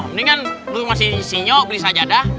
mendingan lu masih sinyok beli saja dah